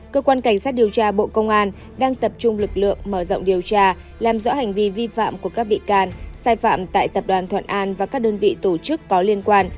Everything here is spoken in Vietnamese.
cơ quan cảnh sát điều tra bộ công an đang tập trung lực lượng mở rộng điều tra làm rõ hành vi vi phạm của các bị can sai phạm tại tập đoàn thuận an và các đơn vị tổ chức có liên quan